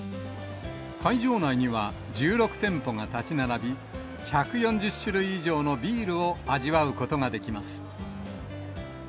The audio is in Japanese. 会場内には、１６店舗が建ち並び、１４０種類以上のビールを味わうことができます。